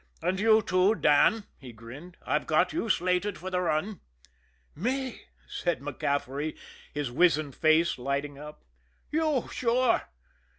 "And you, too, Dan," he grinned. "I got you slated for the run." "Me!" said MacCaffery, his wizened face lighting up. "You sure!"